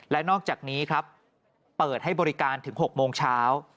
และนอกจากนี้ครับเปิดให้บริการถึง๖โมงเช้า